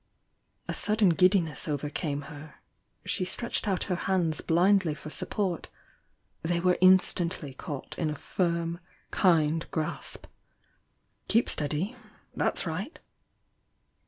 A sudden giddiness overcame her — she stretched out her hands blindly for support— they were instantly caught in a firm, kind grasp. "Keep steady! That's right!"